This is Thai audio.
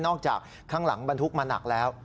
จากข้างหลังบรรทุกมาหนักแล้ว